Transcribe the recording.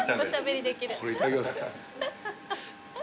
これいただきます。